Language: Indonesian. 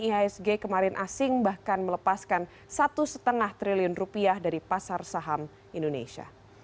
ihsg kemarin asing bahkan melepaskan satu lima triliun rupiah dari pasar saham indonesia